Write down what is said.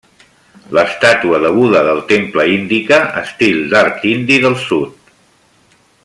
L'estàtua de Buda del temple indica estil d'art indi del sud.